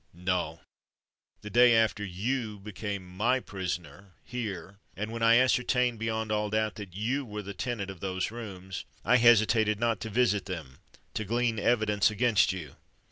No: the day after you became my prisoner here, and when I ascertained beyond all doubt that you were the tenant of those rooms, I hesitated not to visit them, to glean evidence against you.